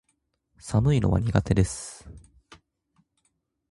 寒いのは苦手です